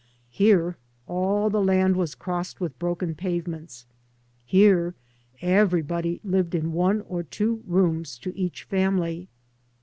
Here all the land was crossed with broken pavements, here everybody lived in one or two rooms to each family.